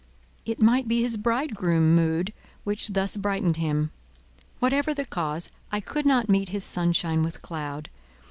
It might be his bridegroom mood which thus brightened him. Whatever the cause, I could not meet his sunshine with cloud.